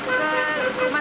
oh mengungsi kemana